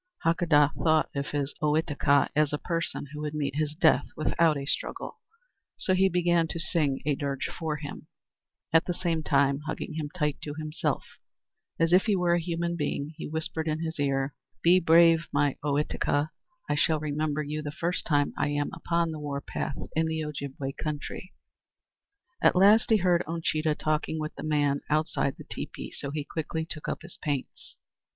Hakadah thought of his Ohitika as a person who would meet his death without a struggle, so he began to sing a dirge for him, at the same time hugging him tight to himself. As if he were a human being, he whispered in his ear: [Illustration: He began to sing a dirge for him. Page 140.] "Be brave, my Ohitika! I shall remember you the first time I am upon the war path in the Ojibway country." At last he heard Uncheedah talking with a man outside the teepee, so he quickly took up his paints.